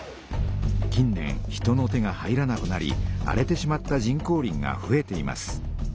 近年人の手が入らなくなり荒れてしまった人工林がふえています。